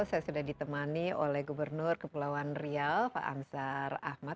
saya sudah ditemani oleh gubernur kepulauan riau pak ansar ahmad